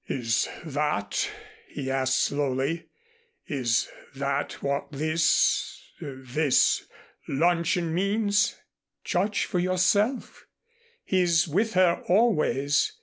"Is that " he asked slowly, "is that what this this luncheon means?" "Judge for yourself. He is with her always.